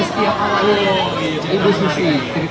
kesetiak kawanan bu susi